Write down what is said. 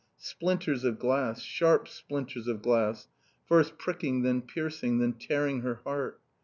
Splinters of glass, sharp splinters of glass, first pricking, then piercing, then tearing her heart.